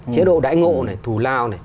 chế độ đại ngộ này thù lao này